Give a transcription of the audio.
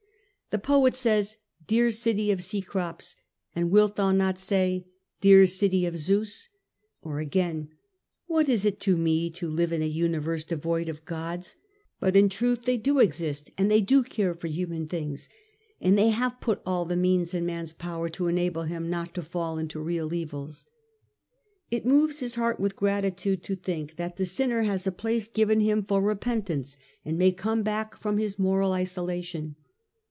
The poet says, Dear city of Cecrops ; and wilt thou not say, Dear city of Zeus ?^ Or again ;' What is it to me to live in a universe devoid of gods ?... But in truth they do exist, and they do care for human things, and they have put all the means in man's power to enable him not to fall into real evils.' It moves his heart with gratitude to think that the sinner has a place given him for repentance, and may come back from his moral isolation.